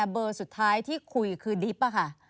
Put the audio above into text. เบอร์สุดท้ายที่คุยคือดิบอะค่ะ